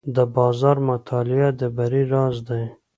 د بازار مطالعه د بری راز دی.